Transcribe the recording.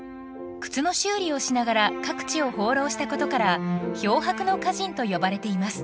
靴の修理をしながら各地を放浪したことから「漂泊の歌人」と呼ばれています。